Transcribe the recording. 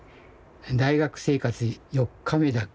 大学生活四日目だ」。